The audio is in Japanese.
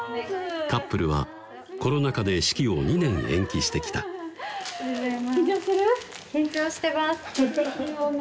カップルはコロナ禍で式を２年延期してきた緊張する？